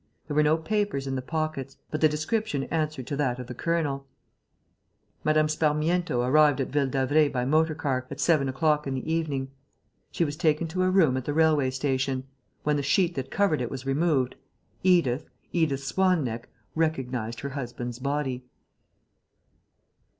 There were no papers in the pockets. But the description answered to that of the colonel. Mme. Sparmiento arrived at Ville d'Avray, by motor car, at seven o'clock in the evening. She was taken to a room at the railway station. When the sheet that covered it was removed, Edith, Edith Swan neck, recognized her husband's body.